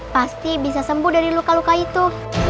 pasti bisa sembuh dari luka luka itu